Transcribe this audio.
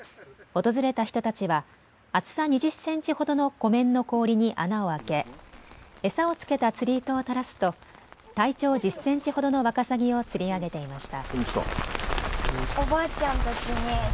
訪れた人たちは厚さ２０センチほどの湖面の氷に穴を開け餌をつけた釣り糸を垂らすと体長１０センチほどのワカサギを釣り上げていました。